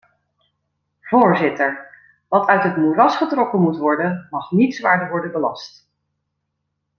Voorzitter, wat uit het moeras getrokken moet worden mag niet zwaarder worden belast.